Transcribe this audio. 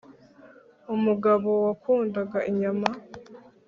umugabo wakundaga inyama